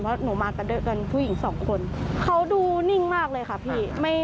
เพราะหนูมากับผู้หญิง๒คนเขาดูนิ่งมากเลยค่ะพี่